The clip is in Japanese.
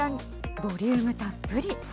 ボリュームたっぷり。